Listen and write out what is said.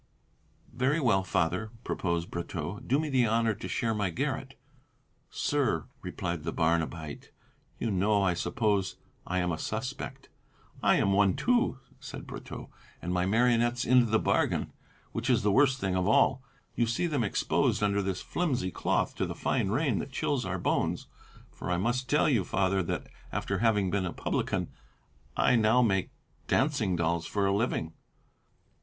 "Very well, Father," proposed Brotteaux, "do me the honour to share my garret." "Sir," replied the Barnabite, "you know, I suppose, I am a suspect." "I am one too," said Brotteaux, "and my marionettes into the bargain, which is the worst thing of all. You see them exposed under this flimsy cloth to the fine rain that chills our bones. For, I must tell you, Father, that after having been a publican, I now make dancing dolls for a living."